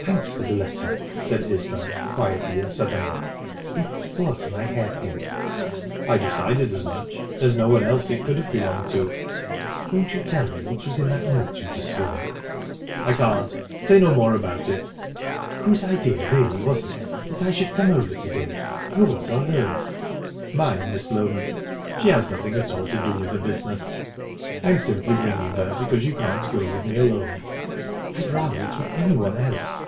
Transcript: "Thanks for the letter!" said Isbel, quietly and suddenly. "It was my hairpin." "I decided as much; there's no one else it could have belonged to." "Won't you tell me what was in that note you destroyed?" "I can't I can't. Say no more about it." "Whose idea really was it, that I should come over to day yours or hers?" "Mine, Miss Loment. She has nothing at all to do with the business. I am simply bringing her because you can't go with me alone." "I'd rather it were anyone else.